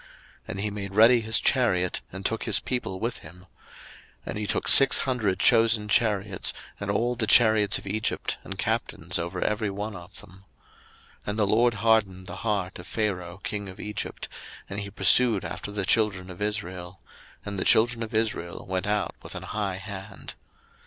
02:014:006 And he made ready his chariot, and took his people with him: 02:014:007 And he took six hundred chosen chariots, and all the chariots of Egypt, and captains over every one of them. 02:014:008 And the LORD hardened the heart of Pharaoh king of Egypt, and he pursued after the children of Israel: and the children of Israel went out with an high hand.